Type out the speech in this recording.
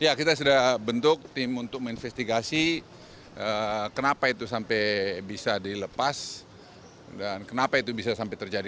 ya kita sudah bentuk tim untuk menginvestigasi kenapa itu sampai bisa dilepas dan kenapa itu bisa sampai terjadi